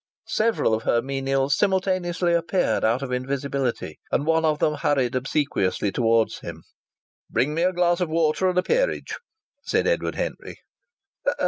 Several of her menials simultaneously appeared out of invisibility, and one of them hurried obsequiously towards him. "Bring me a glass of water and a peerage," said Edward Henry.